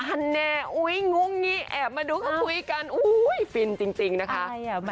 แน่อุ๊ยงุ้งงี้แอบมาดูก็คุยกันอุ้ยฟินจริงนะคะ